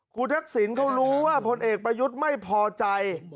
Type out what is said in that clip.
คุณทักษิณเขารู้ว่าพลเอกประยุทธ์ไม่พอใจ